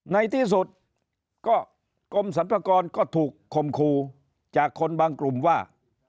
ในที่สุดก็กรมสรรพากรก็ถูกคมครูจากคนบางกลุ่มว่า